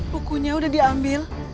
bukunya udah diambil